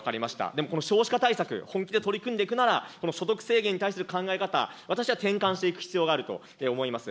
でもこの少子化対策、本気で取り組んでいくなら、この所得制限に対する考え方、私は転換していく必要があると思います。